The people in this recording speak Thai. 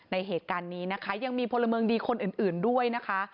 เหตุการณ์นี้นะคะยังมีพลเมืองดีคนอื่นด้วยนะคะ